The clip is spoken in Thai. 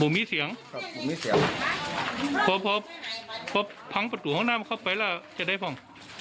บ่มีเสียงครับบ่มีเสียงเพราะเพราะเพราะพังประตูข้างหน้ามันเข้าไปแล้วจะได้พร้อม